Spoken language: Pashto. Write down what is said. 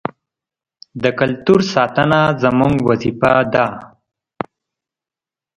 د کلتور ساتنه زموږ وظیفه ده.